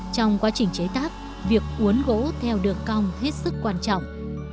trong quá trình chế tác việc uốn gỗ theo được cong hết sức quan trọng